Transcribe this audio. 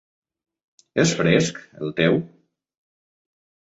És fresc, el teu?